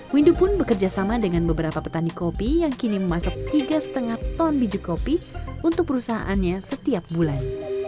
windu pun bekerja sama dengan beberapa petani kopi yang kini memasok tiga lima ton biji kopi untuk perusahaannya setiap bulan